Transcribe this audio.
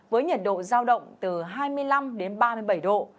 với nhiệt độ giao động từ hai mươi năm đến ba mươi bảy độ